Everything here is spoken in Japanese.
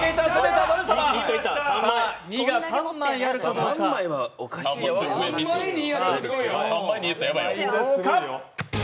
２が３枚あるかどうか。